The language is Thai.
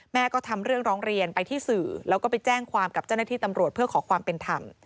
ก็ทำเรื่องร้องเรียนไปที่สื่อแล้วก็ไปแจ้งความกับเจ้าหน้าที่ตำรวจเพื่อขอความเป็นธรรม